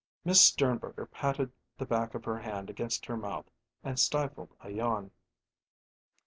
Miss Sternberger patted the back of her hand against her mouth and stifled a yawn.